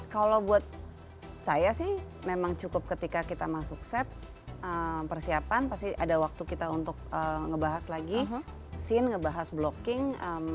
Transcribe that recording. kalau buat saya sih memang cukup ketika kita masuk set persiapan pasti ada waktu kita untuk ngebahas lagi scene ngebahas blocking